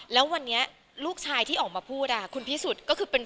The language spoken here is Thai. แล้ววันนี้ลูกชายที่ออกมาพูดคุณพิสุทธิ์ก็คือเป็น